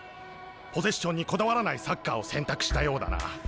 ポゼッションにこだわらないサッカーを選択したようだな。